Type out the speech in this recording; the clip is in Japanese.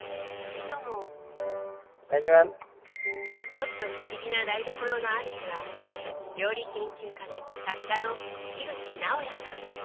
ちょっと不思議な台所のあるじは料理研究家で作家の口直哉さん。